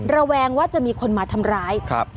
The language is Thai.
แวงว่าจะมีคนมาทำร้ายครับ